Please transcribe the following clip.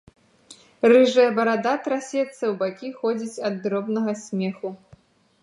Рыжая барада трасецца, у бакі ходзіць ад дробнага смеху.